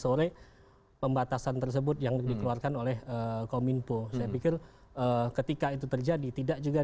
sore pembatasan tersebut yang dikeluarkan oleh kominfo saya pikir ketika itu terjadi tidak juga